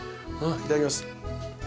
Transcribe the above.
いただきます。